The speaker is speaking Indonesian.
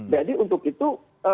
jadi untuk itu